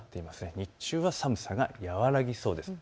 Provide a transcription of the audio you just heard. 日中は寒さが和らぎそうです。